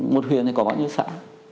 một huyện thì có bao nhiêu xã